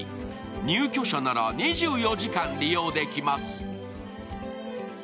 入居者なら２４時間利用できます。